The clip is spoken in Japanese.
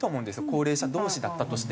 高齢者同士だったとしても。